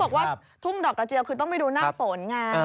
บอกว่าทุ่งดอกกระเจียวคือต้องไปดูหน้าฝนไง